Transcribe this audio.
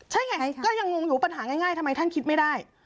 ใช่ไงก็ยังงงอยู่ปัญหาง่ายทำไมท่านคิดไม่ได้